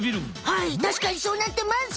はいたしかにそうなってます。